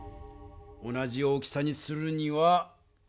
同じ大きさにするには。